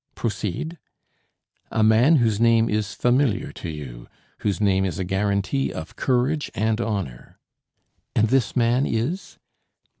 "Proceed." "A man whose name is familiar to you; whose name is a guarantee of courage and honor." "And this man is?"